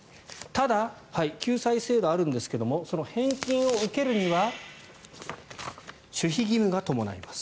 ただ、救済制度があるんですけどその返金を受けるには守秘義務が伴います。